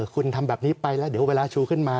คุณทำแบบนี้ไปแล้วเดี๋ยวเวลาชูขึ้นมา